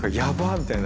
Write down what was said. みたいな。